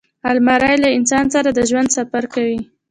الماري له انسان سره د ژوند سفر کوي